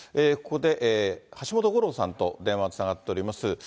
ここで橋本五郎さんと電話がつながっております。